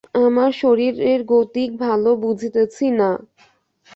আমার শরীরের গতিক ভালো বুঝিতেছি না।